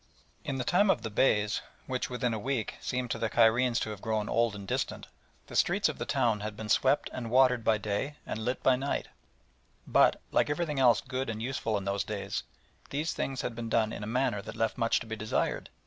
In the time of the Beys, which within a week seemed to the Cairenes to have grown old and distant, the streets of the town had been swept and watered by day and lit by night, but, like everything else good and useful in those days, these things had been done in a manner that left much to be desired.